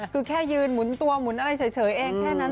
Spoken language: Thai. คือแค่ยืนหมุนตัวหมุนอะไรเฉยเองแค่นั้น